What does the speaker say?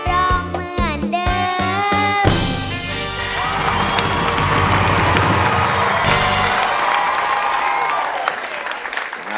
ร้องเหมือนเดิม